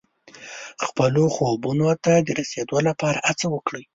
خپلو خوبونو ته د رسېدو لپاره هڅه وکړئ.